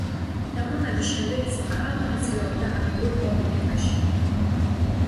დაბრუნების შემდეგ ის აღარ მონაწილეობდა აქტიურ პოლიტიკაში.